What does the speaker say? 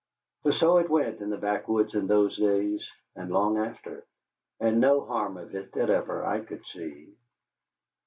For so it went in the backwoods in those days, and long after, and no harm in it that ever I could see.